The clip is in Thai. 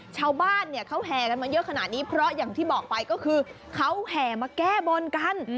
ชาวบ้านเนี่ยเขาแห่กันมาเยอะขนาดนี้เพราะอย่างที่บอกไปก็คือเขาแห่มาแก้บนกัน